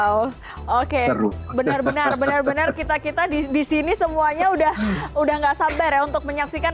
wow oke benar benar kita di sini semuanya sudah tidak sabar ya untuk menyaksikan